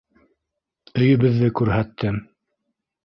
Өйөбөҙҙө күрһәттем.